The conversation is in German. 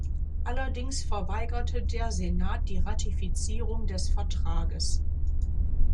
Allerdings verweigerte der Senat die Ratifizierung des Vertrages.